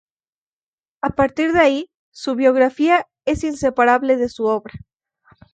A partir de ahí, su biografía es inseparable de su obra.